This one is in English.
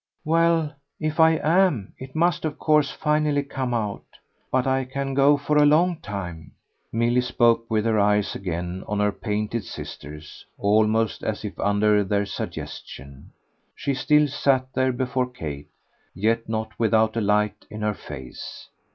"Well, if I am it must of course finally come out. But I can go for a long time." Milly spoke with her eyes again on her painted sister's almost as if under their suggestion. She still sat there before Kate, yet not without a light in her face.